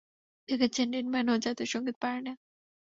দেখেছেন dead man ও জাতীয় সংগীত পারে না।